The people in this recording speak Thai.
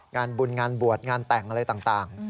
งานบุญงานบวชงานแต่งอะไรต่าง